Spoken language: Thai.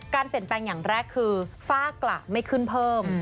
เปลี่ยนแปลงอย่างแรกคือฝ้ากระไม่ขึ้นเพิ่ม